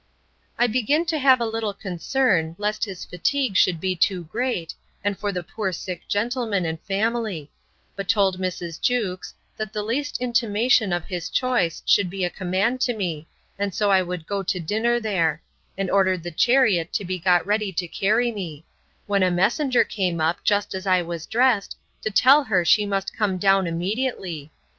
I begin to have a little concern, lest his fatigue should be too great, and for the poor sick gentleman and family; but told Mrs. Jewkes, that the least intimation of his choice should be a command to me, and so I would go to dinner there; and ordered the chariot to be got ready to carry me: when a messenger came up, just as I was dressed, to tell her she must come down immediately.